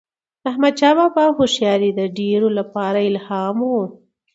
د احمدشاه بابا هوښیاري د ډیرو لپاره الهام و.